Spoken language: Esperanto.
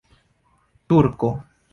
turko